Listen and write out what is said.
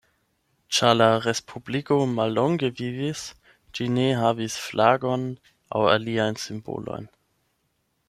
Ĉar la respubliko mallonge vivis, ĝi ne havis flagon aŭ aliajn simbolojn.